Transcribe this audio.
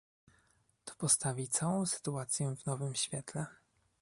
To postawi całą sytuację w nowym świetle